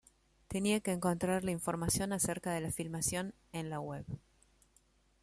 Tenía que encontrar la información acerca de la filmación en la Web.